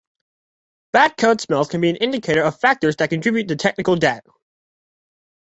Bad code smells can be an indicator of factors that contribute to technical debt.